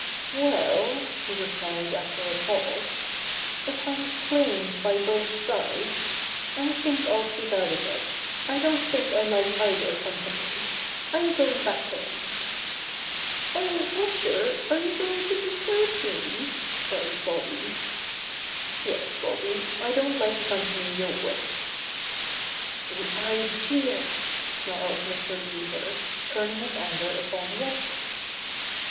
"Well," he replied after a pause, "if I'm claimed by both sides, I think I'll keep out of it. I don't think I like either company. I'm going back home." "Oh, Washer, are you going to desert me?" cried Bobby. 102 Bobby Gray Squirrel's Adventures "Yes, Bobby, I don't like the company you're with." "The idea!" snarled Mr. Beaver, turning his anger upon Washer.